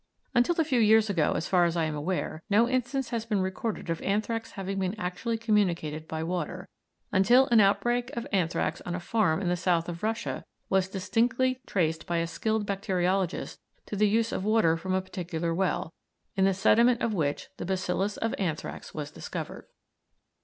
Until a few years ago, as far as I am aware, no instance had been recorded of anthrax having been actually communicated by water, until an outbreak of anthrax on a farm in the south of Russia was distinctly traced by a skilled bacteriologist to the use of water from a particular well, in the sediment of which the bacillus of anthrax was discovered.